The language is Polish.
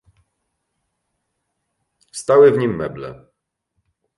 "Stały w nim meble."